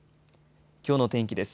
きょうの天気です。